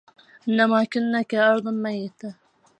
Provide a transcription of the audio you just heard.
إنما كنا كأرض ميتة